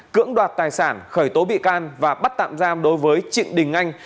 cưỡng đoạt tài sản khởi tố bị can và bắt tạm giam đối với trịnh đình anh